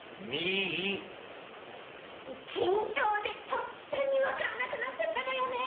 緊張でとっさにわかんなくなっちゃったのよねえ。